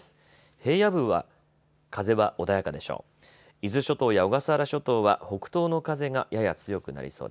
平野部は風は穏やかでしょう。